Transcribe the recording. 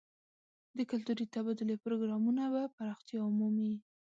د کلتوري تبادلې پروګرامونه به پراختیا ومومي.